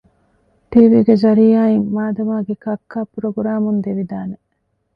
ޓީވީގެ ޒަރިއްޔާއިން މާދަމާގެ ކައްކާ ޕުރޮގްރާމުން ދެވިދާނެ